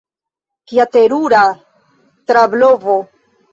Kia terura trablovo!